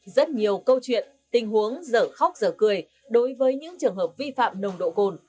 rất nhiều câu chuyện tình huống dở khóc giờ cười đối với những trường hợp vi phạm nồng độ cồn